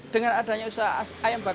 dengan adanya usaha ayam bakar